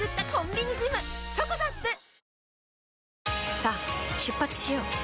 さあ出発しよう。